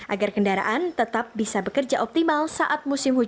agar kendaraan tetap bisa bekerja optimal saat musim hujan